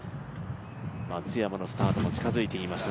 松山のスタートも近づいてきました。